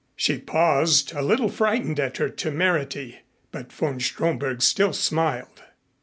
She paused, a little frightened at her temerity, but von Stromberg still smiled.